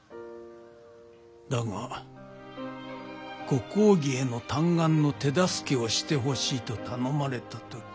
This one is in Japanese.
だがご公儀への嘆願の手助けをしてほしいと頼まれたとき。